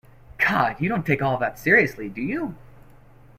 'God, you don't take all that seriously, do you?